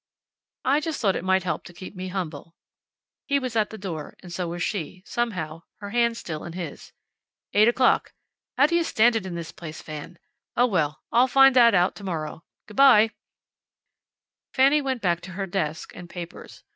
"I just thought it might help to keep me humble." He was at the door, and so was she, somehow, her hand still in his. "Eight o'clock. How do you stand it in this place, Fan? Oh, well I'll find that out to morrow. Good by." Fanny went back to her desk and papers.